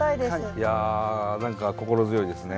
いや何か心強いですね。